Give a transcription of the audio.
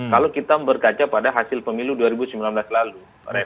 kalau kita berkaca pada hasil pemilu dua ribu sembilan belas lalu